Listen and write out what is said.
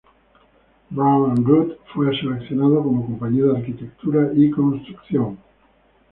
Brown and Root fue seleccionado como compañía de arquitectura y construcción.